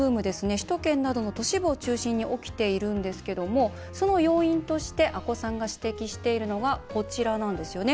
首都圏などの都市部を中心に起きているんですがその要因として阿古さんが指摘しているのがこちらなんですよね。